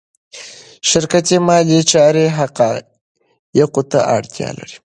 شرکتي مالي چارې حقایقو ته اړتیا لري.